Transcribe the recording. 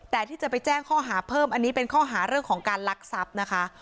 แต่ที่จะไปแจ้งข้อหาเพิ่มอันนี้เป็นข้อหาเรื่องของการลักทรัพย์นะคะ